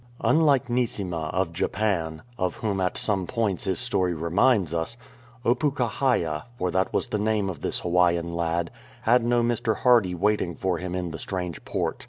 Unlike Neesima of Japan, of whom at some points his story reminds us, Opukahaia, for that was the name of this Hawaiian lad, had no Mr. Hardy waiting for him in the strange port.